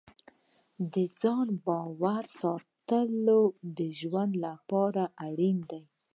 د ځان باور ساتل د ژوند لپاره اړین دي.